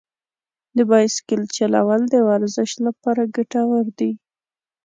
د بایسکل چلول د ورزش لپاره ګټور دي.